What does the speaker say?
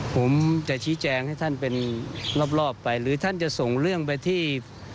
ผมจะชี้แจงให้ท่านเป็นรอบไปหรือท่านจะส่งเรื่องไปที่